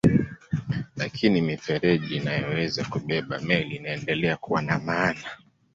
Lakini mifereji inayoweza kubeba meli inaendelea kuwa na maana.